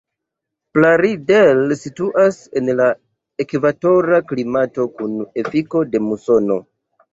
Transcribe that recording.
Plaridel situas en la ekvatora klimato kun efiko de musono.